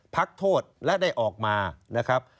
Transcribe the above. พักโทษและได้ออกมานะครับ